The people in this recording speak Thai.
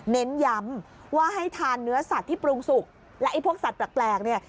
เน้นย้ำว่าให้ทานเนื้อสัตว์ที่ปรุงสุกและไอ้พวกสัตว์แปลกเนี่ย